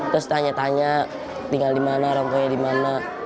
terus tanya tanya tinggal di mana orang tuanya di mana